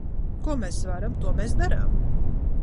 Ko mēs varam, to mēs darām!